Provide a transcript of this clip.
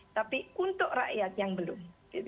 tapi untuk rakyat yang belum